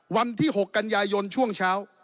วันที่๖กันยายนช่วงเช้า